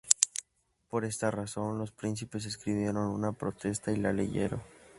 Por esa razón, los príncipes escribieron una Protesta y la leyeron.